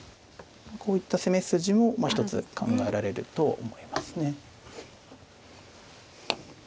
こういった攻め筋もまあ一つ考えられると思いますね。